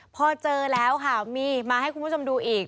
พอเจอแล้วค่ะมีมาให้คุณผู้ชมดูอีก